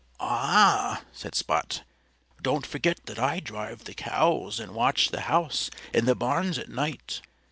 "Ah!" said Spot. "Don't forget that I drive the cows and watch the house and the barns at night.